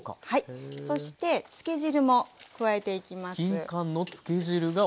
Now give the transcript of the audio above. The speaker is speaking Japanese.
そして漬け汁も加えていきます。